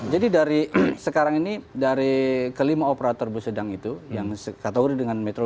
jadi dari sekarang ini dari kelima operator bus sedang itu yang kategori dengan metro